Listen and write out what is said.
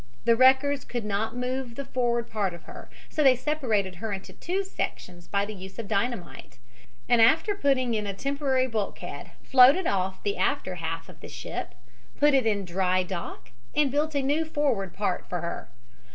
The wreckers could not move the forward part of her, so they separated her into two sections by the use of dynamite, and after putting in a temporary bulkhead floated off the after half of the ship, put it in dry dock and built a new forward part for her.